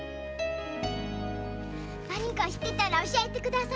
何か知ってたら教えてください！